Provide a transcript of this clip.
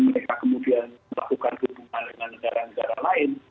mereka kemudian melakukan hubungan dengan negara negara lain